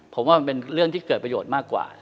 ผมว่ามันเป็นเรื่องที่เกิดประโยชน์มากกว่า